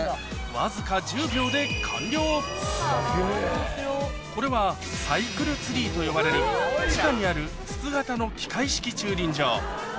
わずか１０秒でこれはサイクルツリーと呼ばれる地下にある筒型の機械式駐輪場